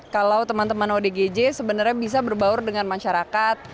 kalau teman teman odgj sebenarnya bisa berbaur dengan masyarakat